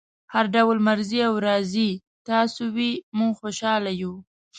هر ډول مرضي او رضای تاسو وي موږ خوشحاله یو.